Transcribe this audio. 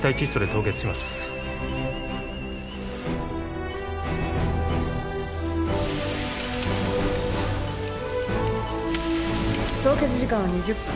凍結時間は２０分。